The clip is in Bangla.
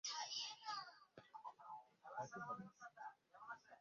হয়ত হবে না।